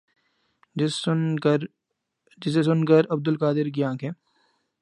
جسے سن کر عبدالقادر کی انکھیں